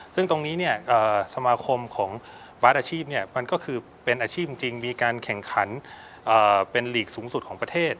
ซึ่งตรงนี้สมาคมของบาสอาชีพมันก็คือเป็นอาชีพจริงมีการแข่งขันเป็นลีกสูงสุดของประเทศ